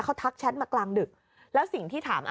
เขาทักแชทมากลางดึกแล้วสิ่งที่ถาม